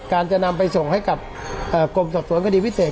จะนำไปส่งให้กับกรมสอบสวนคดีพิเศษ